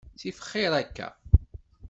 Ttif xir akka.